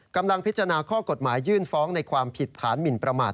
กำลังพิจารณาข้อกฎหมายยื่นฟ้องในความผิดฐานหมินประมาท